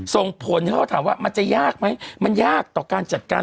ส่งผลให้เขาถามว่ามันจะยากไหมมันยากต่อการจัดการ